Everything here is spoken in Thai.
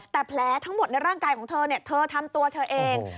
แต่แผลทั้งหมดในร่างกายของเธอเธอทำตัวเธอเอง